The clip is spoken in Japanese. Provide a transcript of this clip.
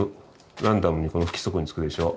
ランダムに不規則につくでしょ？